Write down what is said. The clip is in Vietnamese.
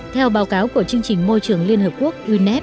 theo báo cáo của chương trình môi trường liên hợp quốc